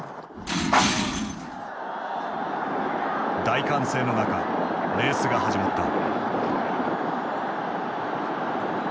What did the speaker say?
大歓声の中レースが始まった。